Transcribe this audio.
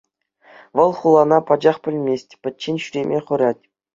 Вӑл хулана пачах пӗлмест, пӗччен ҫӳреме хӑрать.